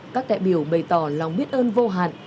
các đại biểu bày tỏ lòng biết ơn vô hạn